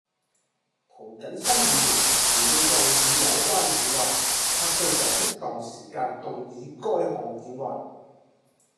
涂謹申議員如要動議有關議案，他須在適當時間動議該項議案